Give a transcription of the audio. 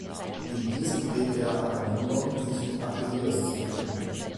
In diesem rät er Agamemnon, sich mit Achilleus zu verbünden.